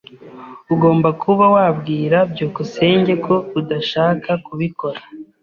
Ugomba kuba wabwira byukusenge ko udashaka kubikora.